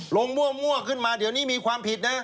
มั่วขึ้นมาเดี๋ยวนี้มีความผิดนะ